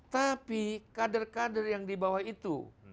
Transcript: tapi kader kader yang di bawah itu